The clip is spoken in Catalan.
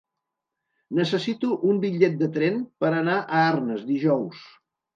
Necessito un bitllet de tren per anar a Arnes dijous.